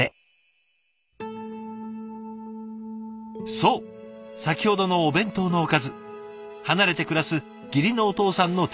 そう先ほどのお弁当のおかず離れて暮らす義理のお父さんの手作りだったんです。